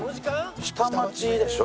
下町でしょ？